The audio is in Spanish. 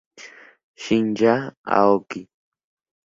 Shinya Aoki